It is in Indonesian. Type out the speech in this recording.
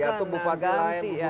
ganti lagi ya